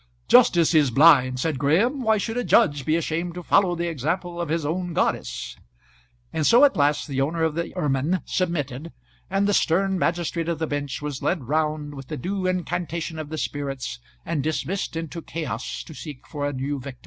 "Justice is blind," said Graham. "Why should a judge be ashamed to follow the example of his own goddess?" And so at last the owner of the ermine submitted, and the stern magistrate of the bench was led round with the due incantation of the spirits, and dismissed into chaos to seek for a new victim.